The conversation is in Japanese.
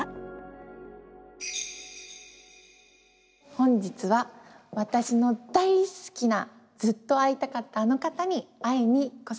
本日は私の大好きなずっと会いたかったあの方に会いに来さして頂きました。